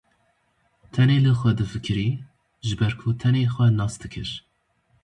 Tenê li xwe difikirî, ji ber ku tenê xwe nas dikir.